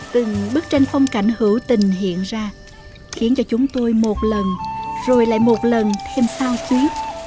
từng bức tranh phong cảnh hữu tình hiện ra khiến cho chúng tôi một lần rồi lại một lần thêm xao xuyến